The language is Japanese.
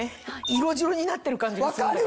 色白になってる感じがする。